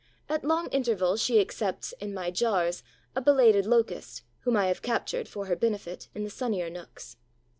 At long intervals she accepts, in my jars, a belated Locust, whom I have captured, for her benefit, in the sunnier nooks.